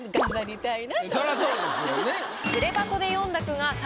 そらそうですよね。